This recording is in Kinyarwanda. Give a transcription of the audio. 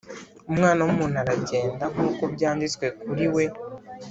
Umwana w’umuntu aragenda nk’uko byanditswe kuri we